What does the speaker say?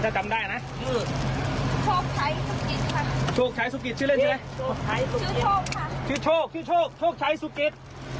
ชื่อโชคค่ะชื่อโชคโชคชัยสุขิต